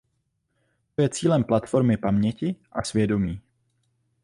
To je cílem platformy paměti a svědomí.